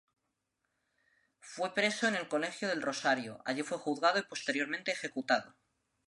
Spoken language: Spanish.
Fue preso en el Colegio del Rosario, allí fue juzgado y posteriormente ejecutado.